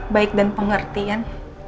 baik dan pengertian